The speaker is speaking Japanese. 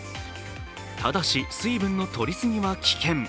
ただし水分のとり過ぎは危険。